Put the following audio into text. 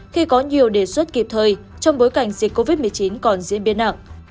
khi có nhiều đề xuất kịp thời trong bối cảnh dịch covid một mươi chín còn diễn biến nặng